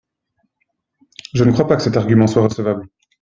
Je ne crois pas que cet argument soit recevable.